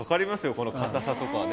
このかたさとかね。